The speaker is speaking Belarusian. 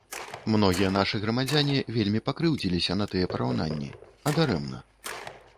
Многія нашы грамадзяне вельмі пакрыўдзіліся на тыя параўнанні, а дарэмна.